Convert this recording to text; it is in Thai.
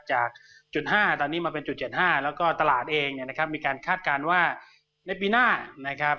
จากจุด๕ตอนนี้มาเป็นจุด๗๕แล้วก็ตลาดเองเนี่ยนะครับมีการคาดการณ์ว่าในปีหน้านะครับ